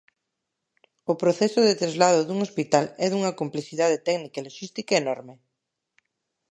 O proceso de traslado dun hospital é dunha complexidade técnica e loxística enorme.